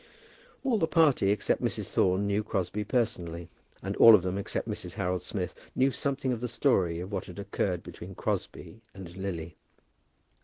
All the party except Mrs. Thorne knew Crosbie personally, and all of them except Mrs. Harold Smith knew something of the story of what had occurred between Crosbie and Lily.